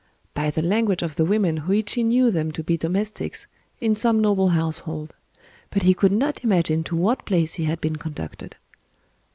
By the language of the women Hōïchi knew them to be domestics in some noble household; but he could not imagine to what place he had been conducted.